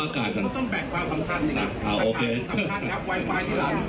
อากาศก่อนต้องแบกบานสำคัญอ่ะอ้าวโอเคสำคัญนะครับไวไฟด้วย